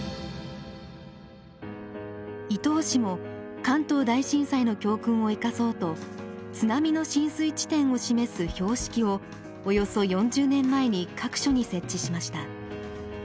伊東市も関東大震災の教訓を生かそうと津波の浸水地点を示す標識をおよそ４０年前に各所に設置しました。